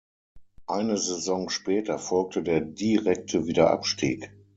Eine Saison später folgte der direkte Wiederabstieg.